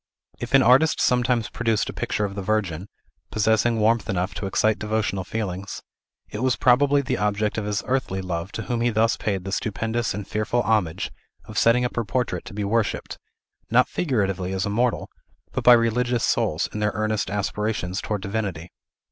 If an artist sometimes produced a picture of the Virgin, possessing warmth enough to excite devotional feelings, it was probably the object of his earthly love to whom he thus paid the stupendous and fearful homage of setting up her portrait to be worshipped, not figuratively as a mortal, but by religious souls in their earnest aspirations towards Divinity.